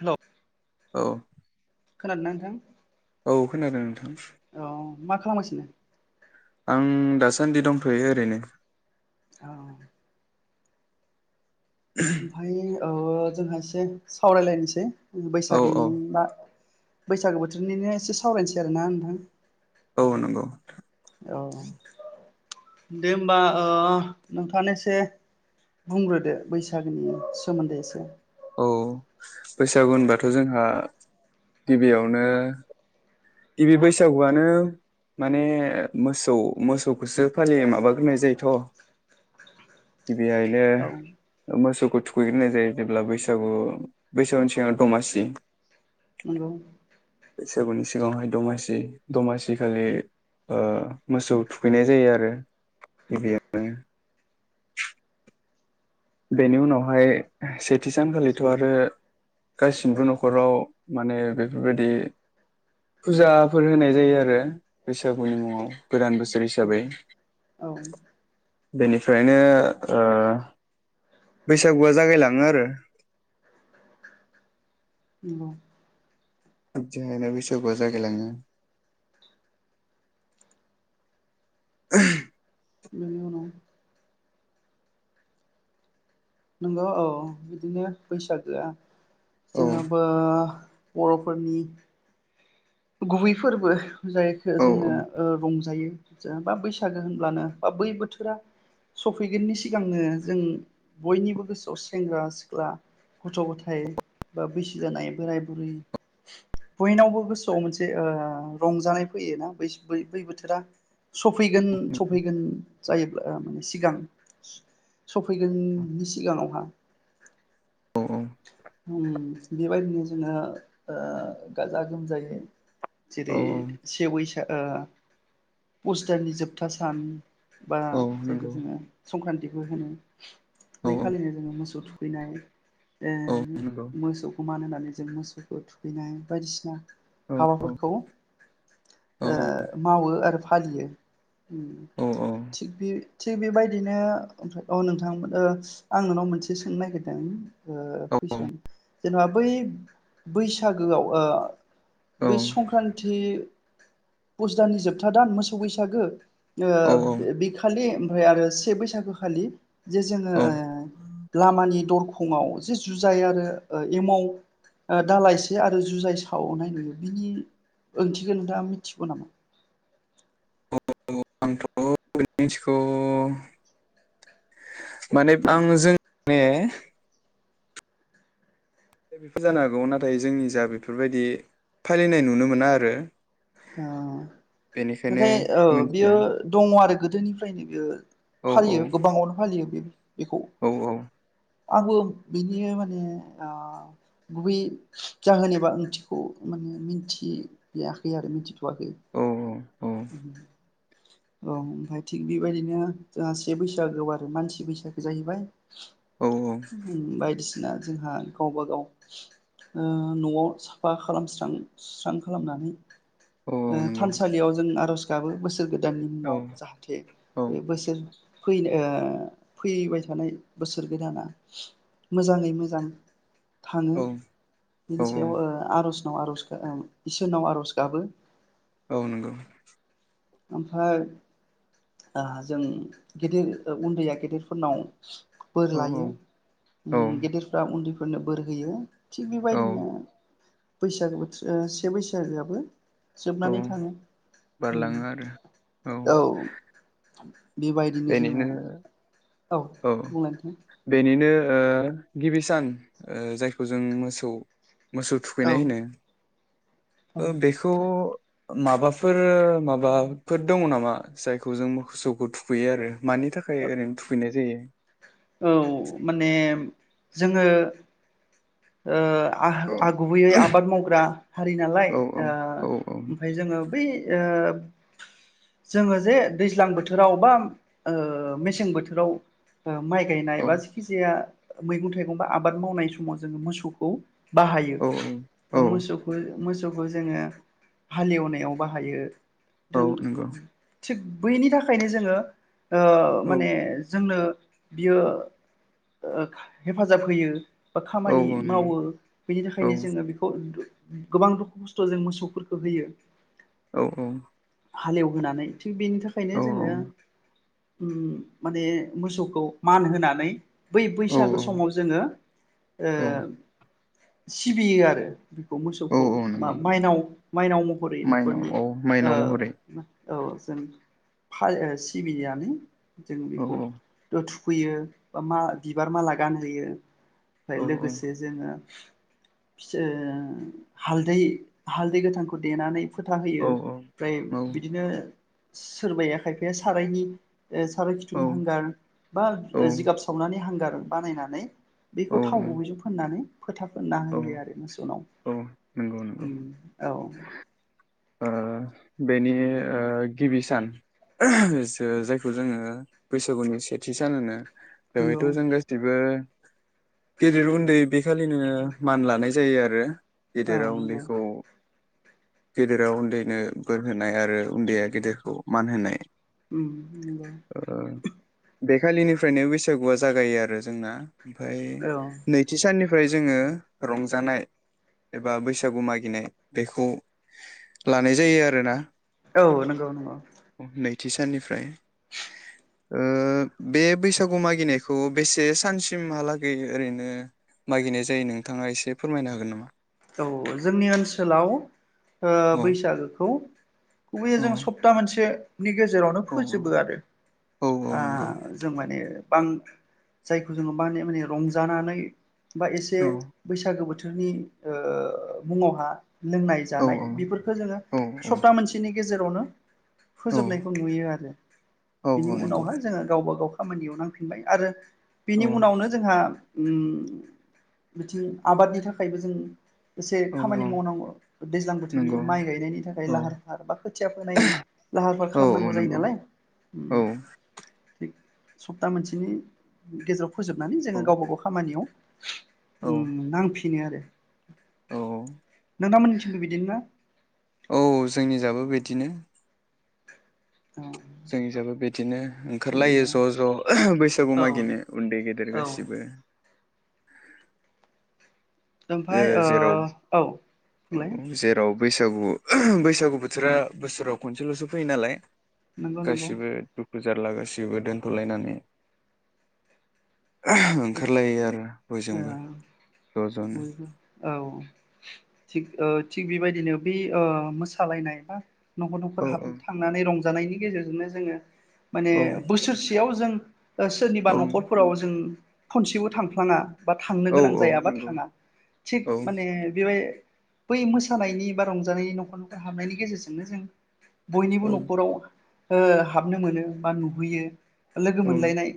Hello औ खोनादोंना नोंथां। औ खोनादों नोंथां। औ मा खालामगासिनो। आं दासान्दि दंथ'यो ओरैनो औ ओमफ्राय औ जोंहा एसे सावरायलायनोसै औ औ बैसागोनि बा बैसागो बोथोरनिनो एसे सावरायनोसै आरोना नोंथां औ नंगौ औ दे होमबा नोंथाङा एसे बुंग्रोदो बैसागोनि सोमोन्दै एसे औ बैसागु होनबाथ' जोंहा गिबियावनो गिबि बैसागुआनो माने मोसौ मोसौखौसो फालियो माबाग्रोनाय जायोथ' गिबियायनो औ मोसौखौ थुगैग्रोननाय जायो जेब्ला बैसागु बैसागुनि सिगाङाव दमासि नंगौ गस [inaudible] सिगाङावहाय दमासि दमासि खालि मोसौ थुखैनाय जायो आरो गिबियावनो बेनि उनावहाय सेथि सानखालिथ' आरो गासिबो न'खराव माने बेफोरबायदि फुजाफोर होनाय जायो आरो बैसागुनि मुङाव गोदान बोसोर हिसाबै औ बेनिफ्रायनो बैसागुआ जागायलाङो आरो नंगौ जाहायनो बैसागुआ जागायलाङो [inaudible] बेनि उनाव नोंगौ औ बिदिनो बैसाग गोया औ जोंहाबो बर'फोरनि गुबै फोरबो ु जायखौ औ जोङो रंजायो जेन बा बैसागो होनब्लानो बा बै बोथोरा सफैगोननि सिगांनो जों बयनिबो गोसोआव सेंग्रा सिख्ला गथ' गथाय बा बैसो जानाय बोराय बुरै बयनावबो गोसो मोसौआव मोनसे रंजानाय फैयोना बै बै बोथोरा सफैगोन सफैगोन जायोब्ला माने सिगां सफैगोननि सिगाङावहा अ औ बेबायदिनो जोङो गाजा गोमजायै औ जेरै सेवै पस्टारनि जोबथा सान बा औ जायखौ नंगौ जोङो संक्रान्ति [inaudible] औ बेै खालिनो जोङो मोसौ थुखैनाय औ नंगौ मोसौ मानो मानि जों मोसौखौ थुखैनाय बायदिसिना औ हाबाफोरखौ ओ औ मावो आरो फालियो उम औ थिग बे थे बेबायदिनो ओमफ्राय औ नोंथांमोन ओ आं नोंनाव मोनसे सोंनो नागिरदों ओ कुइसन जेनेबा बै बैसागोआव ओ बै संखान्थि पुज दाननि जोबथा दान मोसौ बैसागो ओ औ बे बिखालि ओमफ्राय आरो से बैसागोखालि जे जोङो औ ओ लामानि दरख खङाव जि जुजाय आरो ओ एमाव ओ दालाइसे आरो जुजाय सावनाय नुयो बिनि ओंथिखौ नोंथाङा मिथिगौ नामा औ- औ आंथ' मिनथिगौ मानेब आं जों माने दा बेफोर जानो हागौ नाथाय जोंनि जा बेफोरबायदि फालिनाय नुनो मोना आरो औ बेनिखायनो नाथाय औ बियो मिथिया दङ' आरो गोदोनिफ्रायनो बियो औ औ फालियो गोबाङावनो फालियो बे बेखौ औ औ आंबो बिनि माने आ- गुबै जाहोन एबा ओंथिखौ माने मिनथिया। [unintelligible] आरो मिनथि थयाखै औ औ [unintelligible] औ ओमफ्राय थिग बेबायदिनो जोंहा से बैसागोआव आरो मानसि बैसागो जाहैबाय। औ उम बायदिस [unintelligible] जोंहा गावबागाव ओ-न'आव साफा खालामस्रां स्रां खालामनानै औ औ ओ- नंगौ थानसालियाव जों आर'ज गाबो बोसोर गोद दाननि औ मुङाव जाहाथे औ बे बोसोर फैनो ओ-फैबाय थानाय बोसोर गोदाना मोजाङै मोजां। थाङो औ बिनि औ सायाव ओ-आर'ज। [unintelligible] आर'जखो ओं इसोरनाव आर'ज गाबो। औ नोंगौ ओमफाय ओ- जों गिदिर ओ- उन्दैया गेदेरफोरनाव बोर औ लायो औ उम गेदेरफ्रा उन्दै फोरनो बोर होयो। थिग औ बेबायदिनो बैसागो बोथस ओ से बैसागोआबो औ जोबनानै थाङो उम बारलाङो औ बेबायदिनो जोङो। बेनिनो औ बुंलाय नोंथां बेनिनो ओ-गिबि सान ओ-जायखौ जों मोसौ। मोसौ औ थुखैनाय होनो ओ-बेखौ। माबाफोर माबाफोर दङ नामा? जायखौ जों मोसौखौ थुखैयो आरो। मानि थाखाय ओरैनो थु खैनाय जायो। औ माने जोङो ओ आह औ आ गुबैयै आबाद मावग्रा हारि नालाय औ ओ औ औ ओमफ्राय जोङो बै ओ जोङो जे दैज्लां बोथोराव बा ओ मेसें बोथोराव ओ माइ गायनाय औ बा जिखि जाया मैगं थायगं बा आबाद मावनाय समा जोङो मोसौखौ बाहायो औ औ बा मोसौखो मोसौखौ जोङो हालेवनायाव बाहायो। ओं औ ओं नंगौ थिग बैनि थाखायनो जोङो ओ औ माने जोंनो बियो ओ हेफाजाब होयो। औ खामानि औ नंगौ मावो बेनि औ थाखायनो जोङो बेखौ नुदो। गोबां दुखु खस्थ' जों मोसौफोरखौ होयो। औ औ हालेवहोनानै थिग बेनि थाखायनो औ जोङो ओम माने मोसौखौ मान होनानै। बै औ बैसागु समाव जोङो। ओ औ सिबियो आरो बेखौ मोसौखौ औ मा नंगौ माइनाव माइनाव महरै माइनाव न'खरनि औ ओ माइनाव महरै औ जों फायो सिबियानो जों औ बेखौ दोथु होयो बा मा बिबार माला गानहोयो। फाय औ लोगोसे जोङो। [unintelligible] हालदै हालदै गोथांखौ देनानै फोथा होयो औ औ ओमफ्राय बिदिनो सोरबाया खायफाया सारायनि साराय औ खिथुनि हांगार बा औ जिगाब सावनानै हां गार बानायनानै बेखौ थाव गुबैजों फोननानै फोथा फोनना औ होयो आरो मोसौनाव औ नंगौ नंगौ औ ओ बेनि ओ गिबि सान जो जायखौ जोङो बैसागुनि सेथि सान होनो नंगौ बेवहायथ' जों गासिबो गेदेर उन्दै बेखालिनो मान लानाय जायो आरो औ गेदेरा नंगौ उन्दैखौ गेदेरा उन्दैनो बोर होनाय आरो उन्दैया गेदेरखौ मान होनाय उम नंगौ ओ बेखालिनिफ्रायनो बैसागुआ जागायो आरो जोंना ओमफाय औ नैथि साननि फ्राय जोङो रंजानाय एबा बैसागु मागिनाय बेखौ लानाय जायो आ रोना औ नंगौ नंगौ थि साननिफ्राय ओ बे बैसागु मागिनायखौ बेसे सानसिमहालागै ओरैनो मागिनाय जायो नोंथाङा एसे फोरमायनो हागोन नामा औ जोंनि ओनसोलाव ओ औ बैसागोखौ गुबैयै औ जों सप्ता मोनसे नि गेजेरावनो फोजोबो आरो औ औ आ नंगौ जों माने बां जायखौ जोङो माने माने रंजानानै बा एसे औ बैसागो बोथो थोरनि ओ मुङावहा लोंनाय औ जानाय बेफोरखौ जोङो औ सप्ता मोनसेनि गेजेरावनो औ फोजोबनायखौ नुयो आरो औ बिनि औ नंगौ उनावहाय जोङो गावबा गाव खामानियाव नांफिनबाय आरो औ बिनि उनावनो जोंहा ओम बिथिं आबादनि थाखायबो जों एसे खामानि मावनांगौ दैज्लां बोथोरनि माइ गायनायनि थाखाय लाहार फाहार बा खोथिया फोनायनि लाहार फाहार औ औ नंगौ औ खालामनांगौ जायो नंगौ नालाय औ ओम सप्ता मोनसेनि गेजेराव फोजोबनानै जोङो गावबा गाव खामानियाव औ उम नांफि बिनो आरो औ नोंथां मोननिथिंबो बिदिनो ना बेबायदिनो औ जोंनिजाबो बिदिनो ओंखारलायो नंगौ ज' ज' बैसागु औ मागिनो उन्दै गेदेर औ गासिबो ओमफाय ओ औ औ होनलाय। जेराव बैसागु बैसागु बोथोरा बोसोराव खनसेल'सो फैयो नालाय नंगौ नंगौ गासिबो दुखुजारला गासैबो दोनथ'लायनानै ओंखारलायो आरो बयजोंबो ओ ज' ज'नो। बयबो औ थिग थिग बेबायदिनो बै मोसालायनाय बा न'खर न'खर औ औ हाबनो थांनानै रंजा जानायनि गेजेरजोंनो जोङो माने बोसोरसेयाव जों [unintelligible] सोरनिबा औ न'खरफोराव जों खनसेबो थांफ्लाङा। बा थांनो औ गोनां औ जाया बा नंगौ थाङा थिग औ माने बेबाय बै मोसानायनि बा रंजानायनि न'खर न'खर हाबनायनि गेजेरजोंनो जों बयनिबो औ न'खराव हाबनो मोनो बा नुहैयो। लोगो औ मोनलायनाय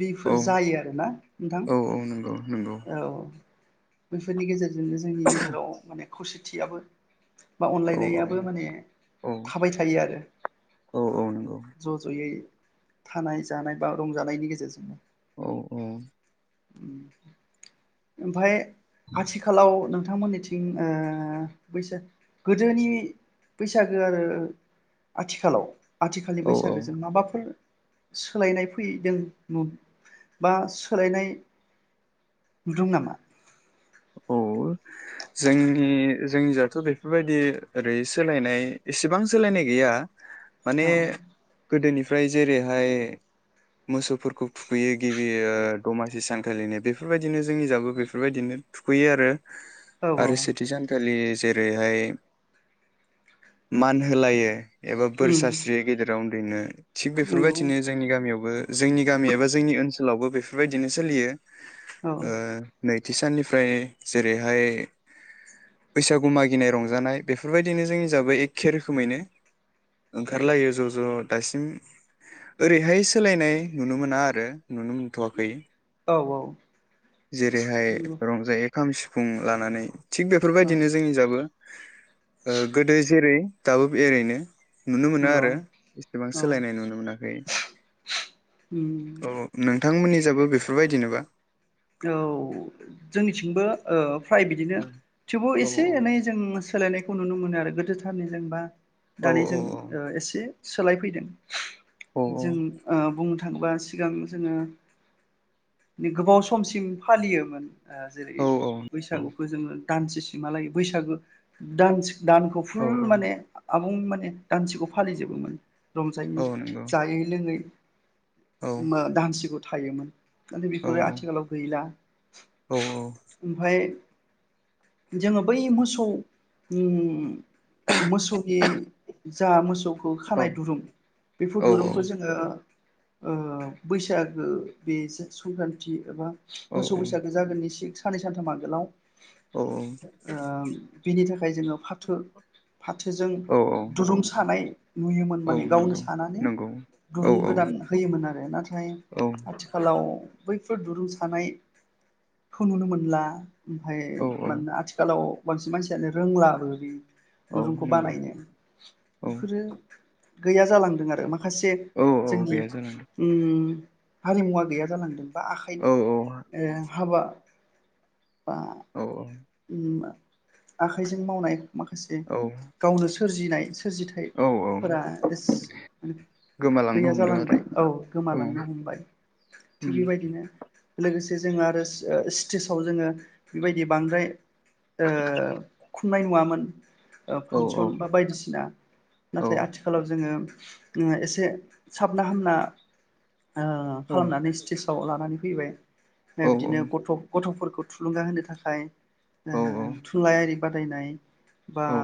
बेफोर औ जायो आरोना। औ औ नंगौ नंगौ। बेैफोरनि गेजेरजों। बिदिनो जोंनि गेजेराव माने खौसेथियाबो बा औ औ अनलायनायाबो माने औ थाबाय थायो आरो औ औ नंगौ ज' ज'यै। थानाय जानाय बा रंजानायनि गेजेरजोंनो औ औ। ओमफाय आथिखालाव नोंथां नोंथांमोननिथिं ओ बैस गोदोनि बैसागो आरो आथिखालाव आथिखालनि औ बैसागोजों माबाफोर सोलायनाय फैदों बा सोलायनाय नुदों नामा? औ जोंनि जोंनि जाथ' बेफोरबायदि ओरै सोलायनाय एसेबां सोलायनाय गैया। माने औ गोदोनिफ फ्राय जेरैहाय मोसौफोरखौ थुखैयो गिबि ओ दमासि सानखालिनो बेफोरबायदिनो जोंनि जाबो बेफोरबायदिनो। थुखैयो आरो। औ औ आरो सेथि सानखालि जेरैहाय मान होलायो एबा बोर उम सारस्रि गेजेराव ओरैनो थिग नंगौ बेफोरबायदिनो जोंनि गामियावबो जोंनि गामि एबा जोंनि ओनसोल लावबो बेफोरबायदिनो सोलियो औ ओ नै साननि ओमफ्राय जेरैहाय बैसागु मागिनाय रंजानाय बेफोरबायदिनो जोंनि जाबै एखे रोखोमैनो ओंखारलायो ज' ज' दासिम ओरैहाय सोलायनाय नुनो मोना आरो नुनो मोनथ'वाखै औ औ जेरैहाय नंगौ रंजायो खाम सिफुं लानानै थिग औ बेफोरबायदिनो जोंनि जाबो ओ गोदो जेरै दाबो एरैनो नुनो मोनो नंगौ आरो इसेबां औ सोलायनाय नुनो मोनाखै। औ नों नोंथांमोननि जाबो बेफोरबायदिनोबा? औ जोंनिथिंबो ओ फ्राय बिदिनो औ थेवबो औ एसे एनै जों सोलायनायखौ नुनो मोनो आरो गोदोथारनि जेनेबा औ दानि जों ओ एसे सोलायफैदों। औ जों बुं थाङोबा सिगां जोङो गोबाव सम समसिम फालियोमोन ओ जेरै औ बैसागुखौ जोङो दानसे सिमालाय बैसागो दनस दानखौ औ फुल औ माने आबुं माने दानसेखौ फालिजोबोमोन रंजायै औ नंगौ जायै लोङै औ मा धानसिग थायोमोन आरो औ बेफोरो आथिखालाव बिआ औ औ जोङो बै मोसौ ओम मोसौनि जा मोसौ खौ खानाय दुरुं औ बेफोर दुरुंखौ जोङो ओ बैसागो बेजो संक्रान्थि एबा मोसौ बैसागो जागोननि सि साननै सानथाम आगोलाव औ आ बिनि थाखाय मफाय जोङो फाथो फाथोजों औ दुरुं सानाय नुयोमोन औ माने गावनो नंगौ सानानै नंगौ औ दुरुं औ गोदान होयोमोन आरो नाथाय औ आथिखालाव बैफोर दुरुं सानाय खौ नुनो मोनला ओमफाय औ औ आथिखालाव बांसिन मानसियानो रोंलाबो बि औ दुरुंखौ नंगौ बानायनो औ बेफोरो गैया जालांदों आरो मा माखासे औ औ जोंनि गैया जालांदों ओम हारिमुवा गैया जालांदों बा औ आखाइनि ओ हाबा औ औ ओम आखाइजों मावनाय माखासे औ गावनो सोरजिनाय सोरजिथय औ औ फोरा इस ओम गोमालांनो गैया हमदों आरो जालांबाय औ औ उम गोमालांनो हमबाय थिग बेबायदिनो लोगोसे जों आरो ओ स्टेजाव जोङो बेबायदि बांद्राय ओ [unintelligible] ओ औ फानसन बा बायदिसिना औ नाथाय आथिखालाव जोङो [unintelligible] एसे साबना हामना ओ औ खालामनानै स्तेस [unintelligible] लानानै फैबाय औ [unintelligible] बिदिनो गथ' गथ'फोरखौ थुलुंगा होनो थाखाय ओ औ औ थुनलाइआरि बादायनाय बा औ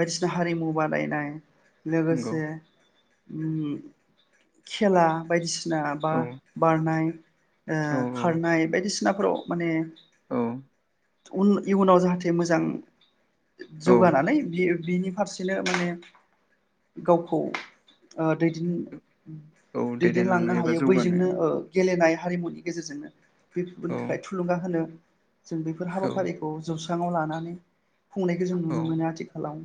बायदिसिना हारिमु बादायनाय नंगौ लोगोसे ओम खेला बायदिसि [unintelligible] बा औ बारनाय ओ औ खारनाय बायदिसिनाफोराव माने औ उन इयुनाव जाहाथे मोजां औ जौगानानै बियो बिनि फारसेनो माने गावखौ ओ दैदेन औ दैदेनलांनो एबा हायो जौगानो बैजोंनो ओ गेलेनाय हारिमुनि गेजेरजोंनो [unintelligible] औ थाखाय थुलुंगा होनो [unintelligible] औ हाबाफारिखौ [unintelligible] [unintelligible] लानानै खुंनायखौ जों नुनो औ मोनो आथिखालाव